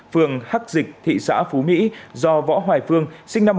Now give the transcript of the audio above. phường hắc dịch thị xã phú mỹ do võ hoài phương sinh năm một nghìn chín trăm tám mươi